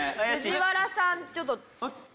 藤原さんちょっと。